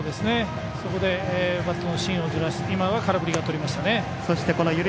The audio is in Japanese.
そこでバットの芯をずらして空振りがとれましたね。